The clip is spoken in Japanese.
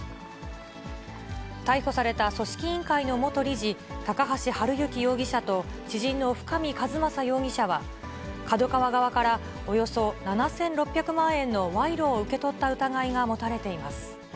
逮捕された組織委員会の元理事、高橋治之容疑者と、知人の深見和政容疑者は、ＫＡＤＯＫＡＷＡ側から、およそ７６００万円の賄賂を受け取った疑いが持たれています。